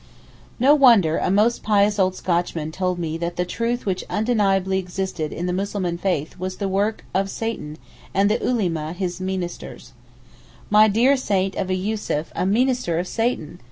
No wonder a most pious old Scotchman told me that the truth which undeniably existed in the Mussulman faith was the work of Satan and the Ulema his meenesters. My dear saint of a Yussuf a meenester of Satan!